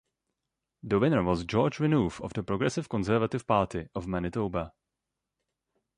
The winner was George Renouf of the Progressive Conservative Party of Manitoba.